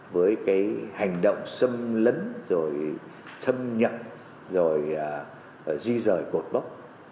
với hành động xâm lấn xâm nhậm di rời cột bóc